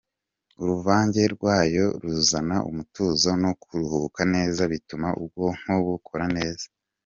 Uruvange rwayo ruzana umutuzo no kuruhuka neza bituma ubwonko bukora neza.